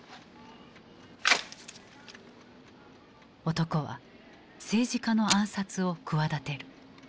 男は政治家の暗殺を企てる。